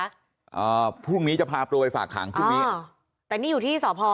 อ่าพรุ่งนี้จะพาตัวไปฝากขังพรุ่งนี้อ๋อแต่นี่อยู่ที่สพ